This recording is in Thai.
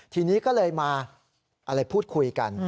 ทีนี้ก็เลยมาอะไรพูดคุยกัน